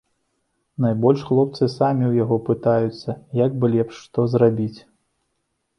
Найбольш хлопцы самі ў яго пытаюцца, як бы лепш што зрабіць.